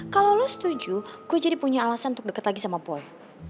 kalau lo setuju gue jadi punya alasan untuk dekat lagi sama poi